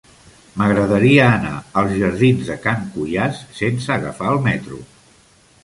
M'agradaria anar als jardins de Can Cuiàs sense agafar el metro.